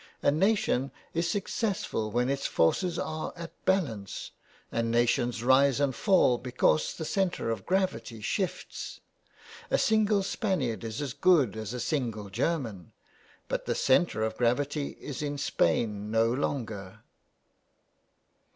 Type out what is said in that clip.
A nation is success ful when its forces are at balance, and nations rise and fall because the centre of gravity shifts. A single Spaniard is as good as a single German, but the centre of gravity is in Spain no longer.